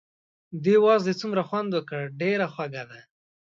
دې وازدې څومره خوند وکړ، ډېره خوږه ده.